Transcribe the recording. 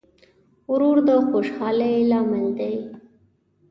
ورور د خوشحالۍ لامل دی.